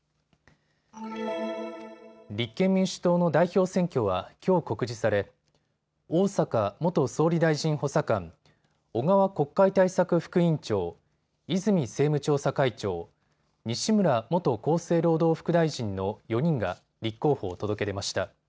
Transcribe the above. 立憲民主党の代表選挙はきょう告示され、逢坂元総理大臣補佐官、小川国会対策副委員長、泉政務調査会長、西村元厚生労働副大臣の４人が立候補を届け出ました。